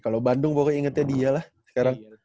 kalau bandung pokoknya ingetnya dia lah sekarang